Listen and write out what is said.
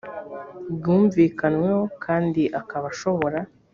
bwumvikanweho kandi akaba ashobora